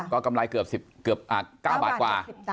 ก็กำไรเกือบ๙บาทกว่า